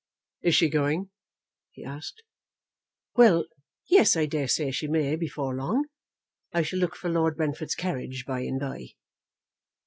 "Is she going?" he asked. "Well. Yes. I dare say she may before long. I shall look for Lord Brentford's carriage by and by."